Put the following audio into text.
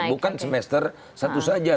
bukan semester satu saja